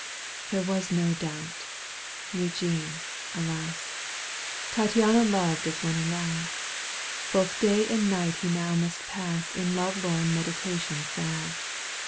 There was no doubt ! Eugene, alas ! Tattiana loved as when a lad. Both day and night he now must pass In love lorn meditation sad.